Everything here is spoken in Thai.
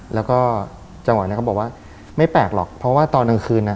แล้วก็จังหวะนั้นเขาบอกว่าไม่แปลกหรอกเพราะว่าตอนกลางคืนน่ะ